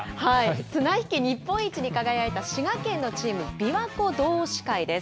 綱引き日本一に輝いた滋賀県のチーム、ＢＩＷＡＫＯ同志会です。